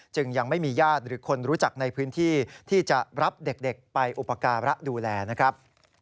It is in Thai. ยังไม่มีญาติหรือคนรู้จักในพื้นที่ที่จะรับเด็กไปอุปการะดูแลนะครับ